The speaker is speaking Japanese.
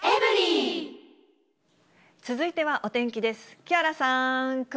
続いてはお天気です。